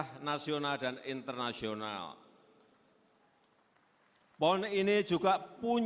hadirin dan undangan